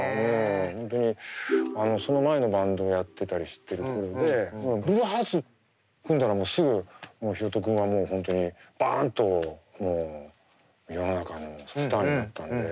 本当にその前のバンドをやってたりしてる頃でＴＨＥＢＬＵＥＨＥＡＲＴＳ組んだらもうすぐヒロト君はもう本当にバンと世の中のスターになったんで。